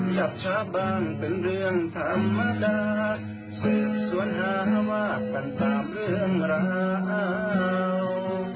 จับช้าบ้างเป็นเรื่องธรรมดาสืบสวนหาว่าเป็นตามเรื่องราว